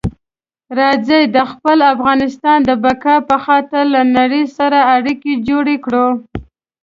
راځئ د خپل افغانستان د بقا په خاطر له نړۍ سره اړیکي جوړې کړو.